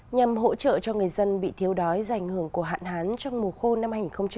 nhằm hỗ trợ cho người dân bị thiếu đói do ảnh hưởng của hạn hán trong mùa khô năm hai nghìn hai mươi